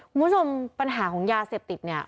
คุณผู้ชมปัญหาของยาเสพติดเนี่ย